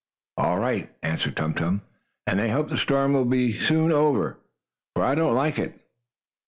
"All right," answered Tum Tum. "And I hope the storm will soon be over, for I do not like it."